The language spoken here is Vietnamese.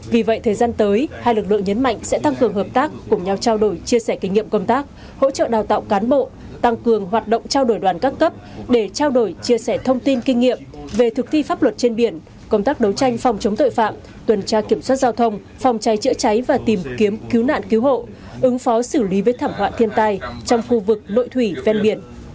vì vậy thời gian tới hai lực lượng nhấn mạnh sẽ tăng cường hợp tác cùng nhau trao đổi chia sẻ kinh nghiệm công tác hỗ trợ đào tạo cán bộ tăng cường hoạt động trao đổi đoàn các cấp để trao đổi chia sẻ thông tin kinh nghiệm về thực thi pháp luật trên biển công tác đấu tranh phòng chống tội phạm tuần tra kiểm soát giao thông phòng chai chữa cháy và tìm kiếm cứu nạn cứu hộ ứng phó xử lý với thảm họa thiên tai trong khu vực nội thủy ven biển